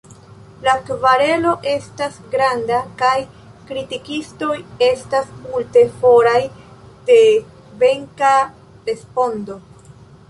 La kverelo estas granda kaj kritikistoj estas multe foraj de venka respondo.